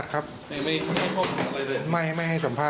เที่ยนไหมคะ